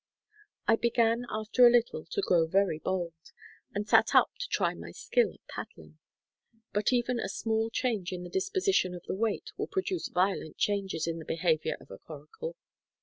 I began after a little to grow very bold, and sat up to try my skill at paddling. But even a small change in the disposition of the weight will produce violent changes in the behavior of a coracle.